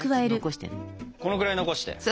このぐらい残して。